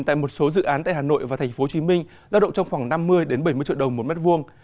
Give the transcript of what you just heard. tại một số dự án tại hà nội và tp hcm lao động trong khoảng năm mươi bảy mươi triệu đồng một mét vuông